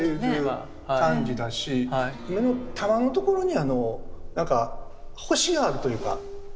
目の玉の所になんか星があるというか。